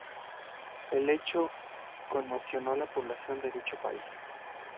El hecho conmocionó a la población de dicho país.